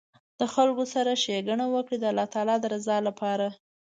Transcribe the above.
د خلکو سره ښیګڼه وکړه د الله تعالي د رضا لپاره